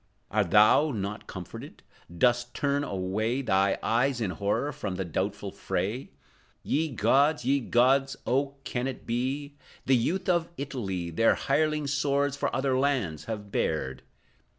Art thou not comforted? Dost turn away Thy eyes, in horror, from the doubtful fray? Ye gods, ye gods. Oh, can it be? The youth of Italy Their hireling swords for other lands have bared!